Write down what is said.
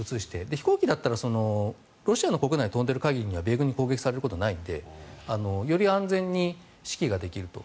飛行機だったらロシアの国内を飛んでいる限りは米軍に攻撃されることはないのでより安全に指揮ができると。